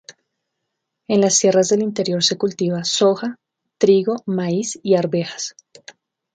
En las tierras del interior se cultiva soja, trigo, maíz y arvejas.